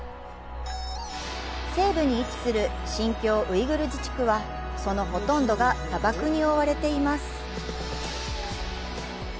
西部に位置する新彊ウイグル自治区は、そのほとんどが砂漠に覆われています。